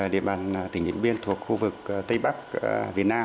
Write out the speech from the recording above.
địa bàn tỉnh điện biên thuộc khu vực tây bắc việt nam